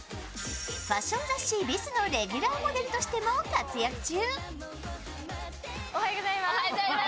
ファッション雑誌「ｂｉｓ」のレギュラーモデルとしても活躍中。